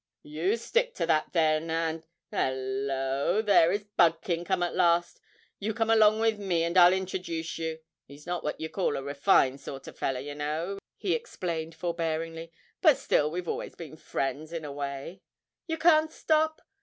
'You stick to that then, and 'ullo, there is Budkin come at last! You come along with me and I'll introduce you (he's not what you call a refined sort of feller, yer know,' he explained forbearingly, 'but still we've always been friends in a way); you can't stop?